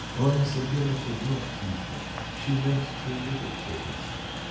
Malanya Sergyevna could not keep him; she meant too little to him.